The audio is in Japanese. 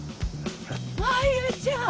真夢ちゃん！